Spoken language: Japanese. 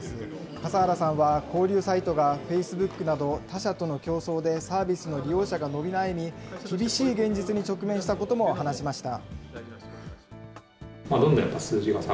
笠原さんは、交流サイトがフェイスブックなど他社との競争でサービスの利用者が伸び悩み、厳しい現実に直面したことも話しました。